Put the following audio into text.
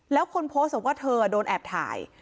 แล้วคนโพสต์บอกว่าเธอโดนแอบถ่าย